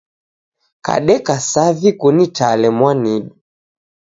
Kadeka savi kunitale mwanidu